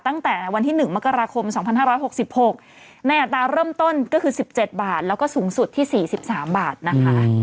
ตั้งแต่วันที่หนึ่งมกราคมสองพันห้าร้อยหกสิบหกในอัตราเริ่มต้นก็คือสิบเจ็ดบาทแล้วก็สูงสุดที่สี่สิบสามบาทนะคะ